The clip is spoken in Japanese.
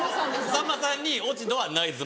さんまさんに落ち度はないです